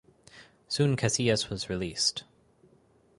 Soon Casillas was released.